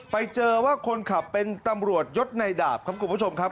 ไปเจอว่าคนขับเป็นตำรวจยศในดาบครับคุณผู้ชมครับ